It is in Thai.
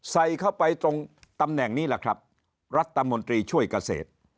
ใส่เข้าไปตรงตำแหน่งนี้แหละครับรัฐมนตรีช่วยเกษตร